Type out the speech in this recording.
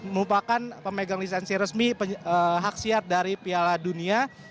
merupakan pemegang lisensi resmi hak siat dari piala dunia